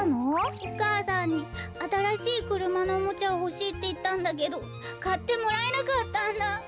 お母さんにあたらしいくるまのおもちゃをほしいっていったんだけどかってもらえなかったんだ。